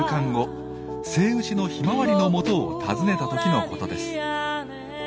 セイウチのヒマワリのもとを訪ねた時のことです。